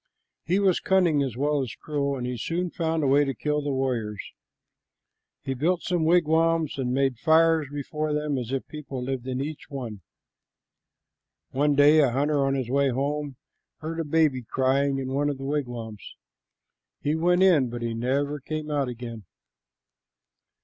He was cunning as well as cruel, and he soon found a way to kill the warriors. He built some wigwams and made fires before them as if people lived in each one. One day a hunter on his way home heard a baby crying in one of the wigwams. He went in, but he never came out again.